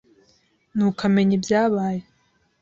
Nuko amenya ibyabaye.